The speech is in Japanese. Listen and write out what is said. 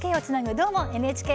「どーも、ＮＨＫ」。